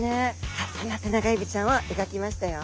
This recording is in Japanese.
さあそんなテナガエビちゃんを描きましたよ。